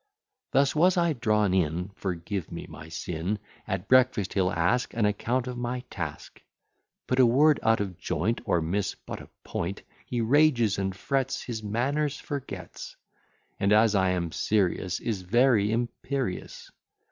] Thus was I drawn in; Forgive me my sin. At breakfast he'll ask An account of my task. Put a word out of joint, Or miss but a point, He rages and frets, His manners forgets; And as I am serious, Is very imperious.